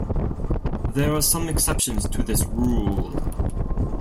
There are some exceptions to this rule.